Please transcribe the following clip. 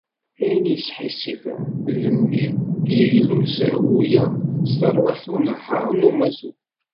Ayen yesḥissifen d mi yegla usehwu-a s terwiḥt n unehhar n umuṭu,.